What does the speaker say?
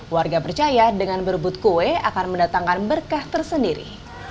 warga percaya dengan berebut kue akan mendatangkan berkah tersendiri